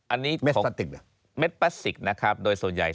อันนี้ของเม็ดปลาสิกนะครับโดยส่วนใหญ่